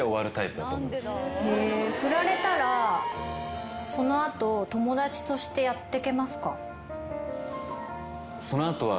振られたらその後友達としてやっていけますか？